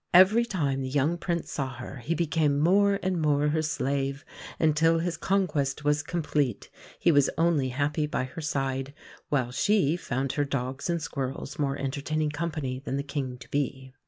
Every time the young Prince saw her he became more and more her slave, until his conquest was complete. He was only happy by her side; while she found her dogs and squirrels more entertaining company than the King to be.